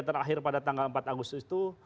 terakhir pada tanggal empat agustus itu